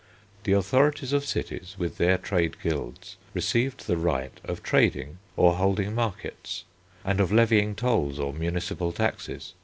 The authorities of cities, with their trade guilds, received the right of trading, or holding markets, and of levying tolls or municipal taxes.